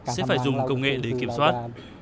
sẽ phải dùng công nghệ để kiểm soát